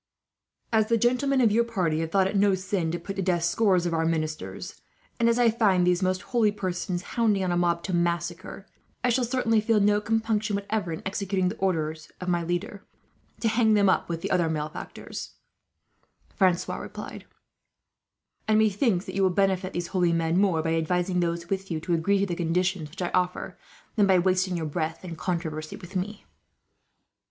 "As the gentlemen of your party have thought it no sin to put to death scores of our ministers, and as I found these most holy persons hounding on a mob to massacre, I shall certainly feel no compunction, whatever, in executing the orders of my leader, to hang them with the other malefactors," Francois replied; "and methinks that you will benefit these holy men more, by advising those with you to agree to the conditions which I offer, than by wasting your breath in controversy with me."